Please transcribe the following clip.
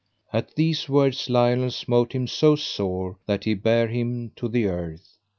At these words Lionel smote him so sore that he bare him to the earth.